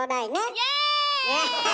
イエーイ！